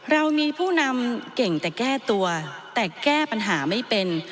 เรามีผู้นำเก่งแต่แก้ตัวแต่แก้ปัญหาไม่เป็น